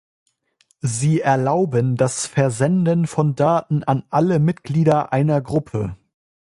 Sie erlauben das Versenden von Daten an alle Mitglieder einer Gruppe.